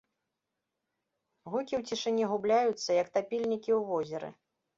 Гукі ў цішыні губляюцца, як тапельнікі ў возеры.